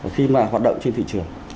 khi mà hoạt động trên thị trường